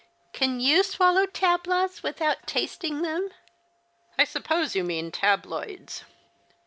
Can you swallow tablaws without tasting them ?"'' I suppose you mean tabloids.